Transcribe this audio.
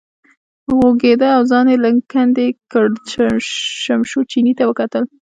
غوږېده او ځای یې لږ کندې کړ، شمشو چیني ته وکتل.